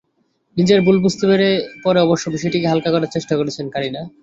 নিজের ভুল বুঝতে পেরে পরে অবশ্য বিষয়টিকে হালকা করার চেষ্টা করেছেন কারিনা।